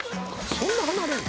そんな離れんの？